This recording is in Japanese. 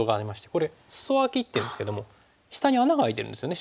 これスソアキっていいますけども下に穴が開いてるんですよね